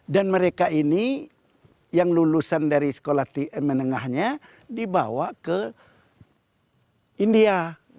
dan mereka ini yang lulusan dari sekolah menengahnya dibawa ke india